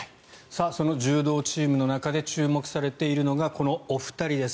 その柔道チームの中で注目されているのがこのお二人です。